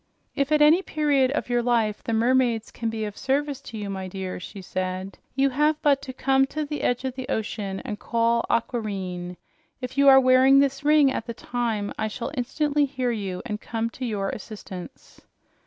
"If at any period of your life the mermaids can be of service to you, my dear," she said, "you have but to come to the edge of the ocean and call 'Aquareine.' If you are wearing the ring at the time, I shall instantly hear you and come to your assistance."